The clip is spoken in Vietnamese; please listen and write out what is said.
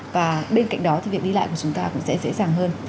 và bên cạnh đó thì việc đi lại của chúng ta cũng sẽ dễ dàng hơn